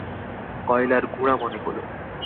কয়লার গুড়া মনে হল।